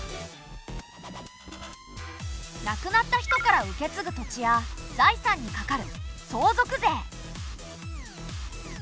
亡くなった人から受けつぐ土地や財産にかかる相続税。